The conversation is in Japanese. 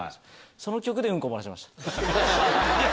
その曲でうんこ漏らしました。